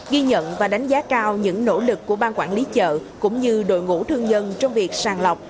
ghi nhận và đánh giá cao những nỗ lực của bang quản lý chợ cũng như đội ngũ thương nhân trong việc sàng lọc